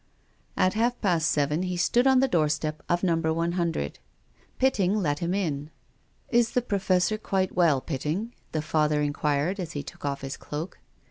At half past seven he stood on the doorstep of Number lOO. Pitting let him in. "Is the Professor quite well, Pitting?" the Father inquired as he took off his cloak.